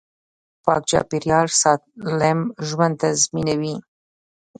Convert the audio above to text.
پاک چاپیریال سالم ژوند تضمینوي